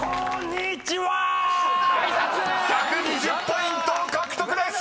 ［１２０ポイント獲得です！］